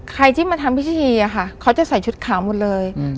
ใครที่มาทำพิธีอะค่ะเขาจะใส่ชุดขาวหมดเลย